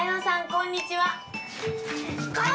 こんにちは！